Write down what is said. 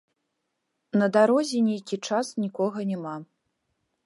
На дарозе нейкі час нікога няма.